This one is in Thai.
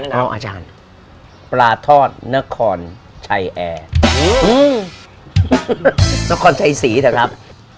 นี่ครับพ่ออาจารย์ปลาทอดนครชัยแอร์นครชัยศรีแหละครับ